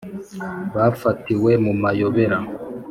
bafatiwe mu mayobera ...